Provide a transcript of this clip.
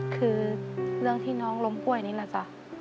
คือเรื่องที่น้องล้มป่วยนี่แหละจ้ะ